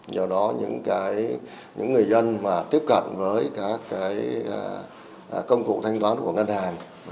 nhiều đó những người dân tiếp cận với công cụ thanh toán của ngân hàng